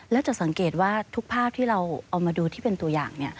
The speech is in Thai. แล้วจะสังเกตว่าทุกภาพที่เราเอามาดูที่เป็นตัวอย่าง